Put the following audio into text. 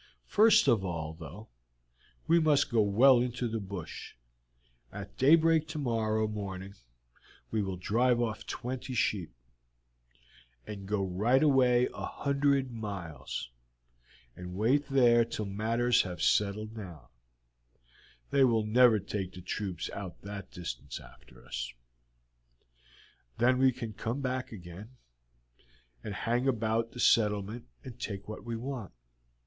First of all, though, we must go well into the bush; at daybreak tomorrow morning we will drive off twenty sheep, and go right away a hundred miles, and wait there till matters have settled down. They will never take the troops out that distance after us. Then we can come back again, and hang about the settlement and take what we want.